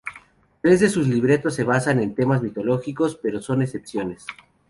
Tres de sus libretos se basan en temas mitológicos, pero son excepciones.